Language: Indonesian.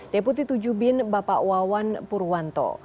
deputi tujuh bin bapak wawan purwanto